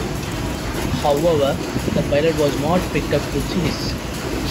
However, the pilot was not picked up to series.